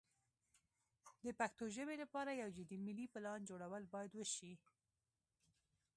د پښتو ژبې لپاره یو جدي ملي پلان جوړول باید وشي.